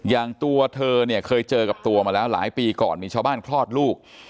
อย่างตัวเธอเนี่ยเคยเจอกับตัวมาแล้วหลายปีก่อนมีชาวบ้านคลอดลูก